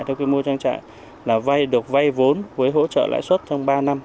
theo quy mô trang trại được vay vốn với hỗ trợ lãi suất trong ba năm